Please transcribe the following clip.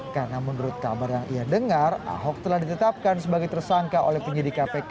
karena menurut kabar yang ia dengar ahok telah ditetapkan sebagai tersangka oleh penyidik kpk